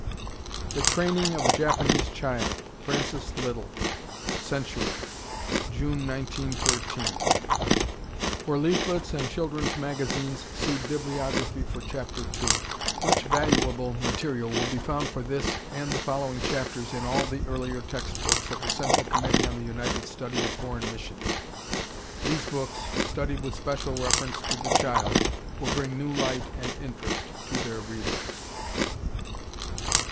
"The Training of a Japanese Child," Francis Little Century, June, 1913. For leaflets and Children's Magazines see Bibliography for Chapter II. _Much valuable material will be found for this and the following chapters in all the earlier text books of the Central Committee on the United Study of Foreign Missions. These books, studied with special reference to The Child, will bring new light and interest to their readers.